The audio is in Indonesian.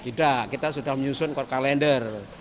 tidak kita sudah menyusun court kalender